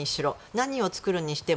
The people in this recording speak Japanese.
何を作るにしても。